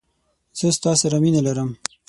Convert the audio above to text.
زه ستا سره مينه لرم.